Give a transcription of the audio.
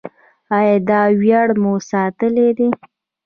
آیا دا ویاړ مو ساتلی دی؟